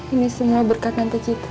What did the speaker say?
ini semua berkat ganti cita